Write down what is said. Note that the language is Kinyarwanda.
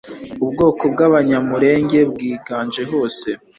Ubwoko bw'Abanyamulenge bwiganje hose